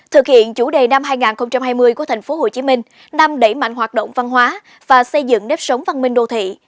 thực hiện chủ đề năm hai nghìn hai mươi của tp hcm năm đẩy mạnh hoạt động văn hóa và xây dựng nếp sống văn minh đô thị